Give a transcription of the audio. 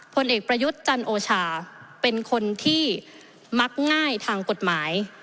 ผลเอกประยุทธ์จันโอชาเป็นคนที่มักง่ายทางกฎหมาย